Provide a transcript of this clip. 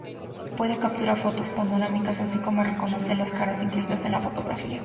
Puede capturar fotos panorámicas, así como reconocer las caras incluidas en la fotografía.